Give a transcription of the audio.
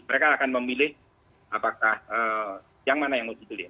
mereka akan memilih apakah yang mana yang harus dipilih